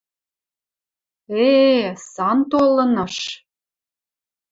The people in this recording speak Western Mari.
Э-э, Санто ылыныш.